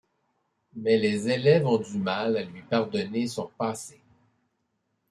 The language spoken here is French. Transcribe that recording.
Mais les élèves ont du mal à lui pardonner son passé.